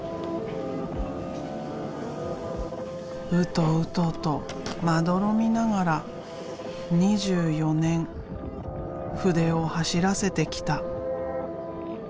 ウトウトとまどろみながら２４年筆を走らせてきた。